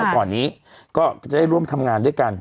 ก่อนนี้ก็จะได้ร่วมทำงานด้วยกัน